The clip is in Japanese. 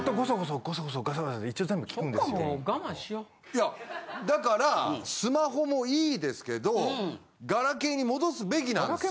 いやだからスマホもいいですけどガラケーに戻すべきなんですよ。